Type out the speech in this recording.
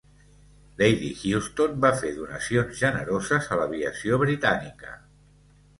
Lady Houston va fer donacions generoses a l'aviació britànica.